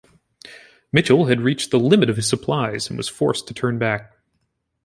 Mitchell had reached the limit of his supplies, and was forced to turn back.